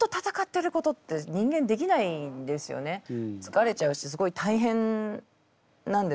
疲れちゃうしすごい大変なんですよね。